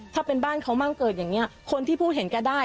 ถ้าเป็นบ้านเขามั่งเกิดอย่างนี้คนที่ผู้เห็นแกได้